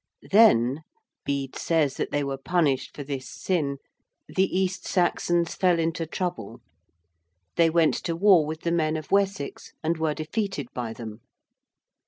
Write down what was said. Then Bede says that they were punished for this sin the East Saxons fell into trouble. They went to war with the men of Wessex and were defeated by them.